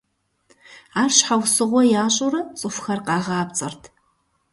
Ар щхьэусыгъуэ ящӏурэ цӏыхухэр къагъапцӏэрт.